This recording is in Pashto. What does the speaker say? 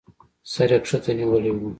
سر يې کښته نيولى و.